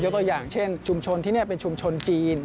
ตัวอย่างเช่นชุมชนที่นี่เป็นชุมชนจีน